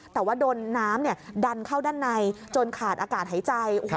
แต่ว่าโดนน้ำดันเข้าด้านในจนขาดอากาศหายใจ